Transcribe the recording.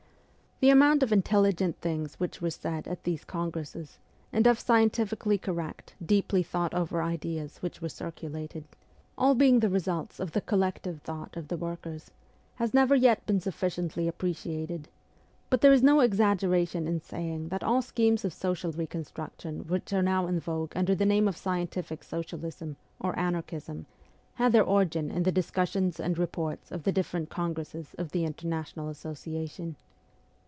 The amount of intelligent things which were said at these congresses, and of scientifically correct, deeply thought over ideas which . were circu 66 MEMOIRS OF A REVOLUTIONIST lated all being the results of the collective thought of the workers has never yet been sufficiently appreci ated ; but there is no exaggeration in saying that all schemes of social reconstruction which are now in vogue under the name of ' scientific socialism ' or ' anarchism ' had their origin in the discussions and reports of the different congresses of the International Association.